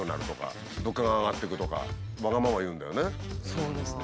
そうですね。